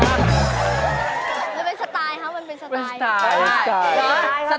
มันเป็นสไตล์ครับมันเป็นสไตล์นะไม่เป็นสไตล์